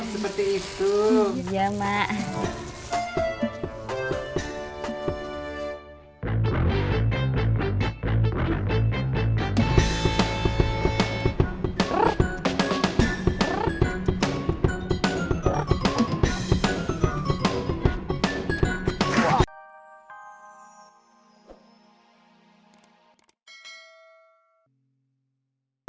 seperti itu ya mak